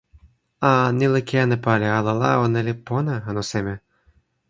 a, ni li ken e pali ala la ona li pona, anu seme?